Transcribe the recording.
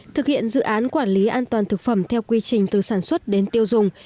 thực hiện dự án quản lý an toàn thực phẩm theo quy trình từ sản xuất đến tiêu dùng